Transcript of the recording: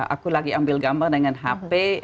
aku lagi ambil gambar dengan hp